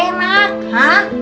istri kerjanya enak ya